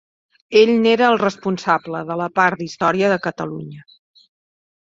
Ell n'era el responsable de la part d'història de Catalunya.